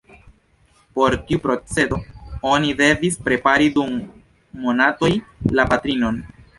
Por tiu procedo oni devis prepari dum monatoj la patrinon.